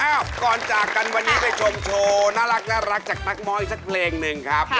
ก่อนจากกันวันนี้ไปชมโชว์น่ารักจากนักม้ออีกสักเพลงหนึ่งครับ